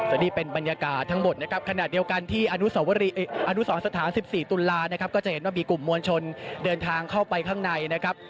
และนี่เป็นบรรยากาศทั้งหมดนะครับขณะเดียวกันที่อนุสรสถาน๑๔ตุลานะครับก็จะเห็นว่ามีกลุ่มมวลชนเดินทางเข้าไปข้างในนะครับ